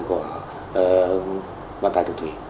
của vận tải thủy thủy